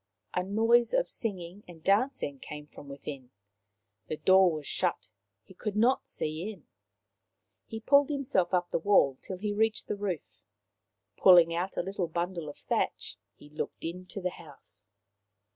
A noise of singing and dancing came from within. The door was shut. He could not see in. He pulled himself up the wall till he reached the roof. Pulling out a little bundle of thatch, he looked into the house.